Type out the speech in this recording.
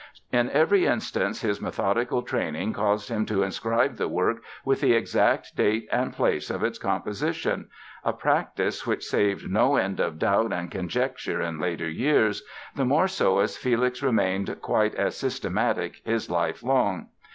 In every instance his methodical training caused him to inscribe the work with the exact date and place of its composition—a practice which saved no end of doubt and conjecture in later years, the more so as Felix remained quite as systematic his life long.